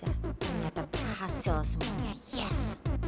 ternyata berhasil semuanya yes